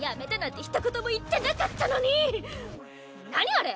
あれ！